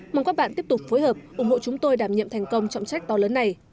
mong các bạn tiếp tục phối hợp ủng hộ chúng tôi đảm nhiệm thành công trọng trách to lớn này